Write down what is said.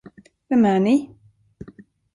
Vem är ni?